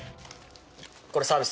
これサービス。